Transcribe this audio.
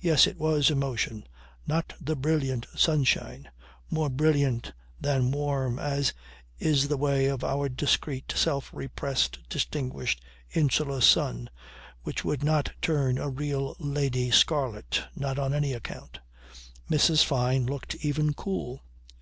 Yes it was emotion, not the brilliant sunshine more brilliant than warm as is the way of our discreet self repressed, distinguished, insular sun, which would not turn a real lady scarlet not on any account. Mrs. Fyne looked even cool.